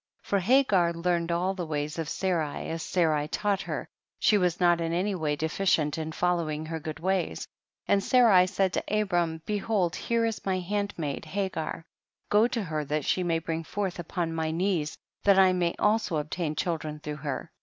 2.5. For Hagar learned all the ways of Sarai as Sarai taught her, she was not in any way deficient in following her good ways. 26. And Sarai said to Abram, be hold here is my handmaid Hagar, go to her that she may bring forth upon my knees, that I may also ob tain children through her.